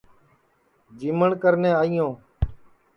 جیمٹؔ کرنے آئی یو